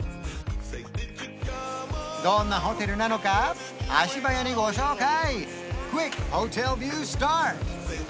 どんなホテルなのか足早にご紹介！